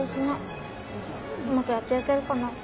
うまくやっていけるかな。